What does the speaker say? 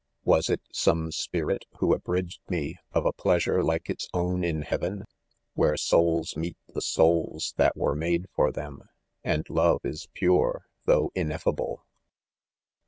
Was it . some spirit who abridged me of a pleasure like its own in heaven X — where souls meet the souls that were made for them, and love is pure though ineffable.